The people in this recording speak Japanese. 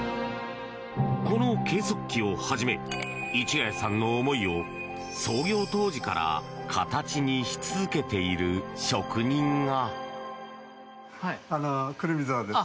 この計測器をはじめ市ヶ谷さんの思いを創業当時から形にし続けている職人が。